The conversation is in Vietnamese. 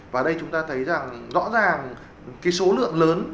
và đây chúng ta thấy rõ ràng số lượng lớn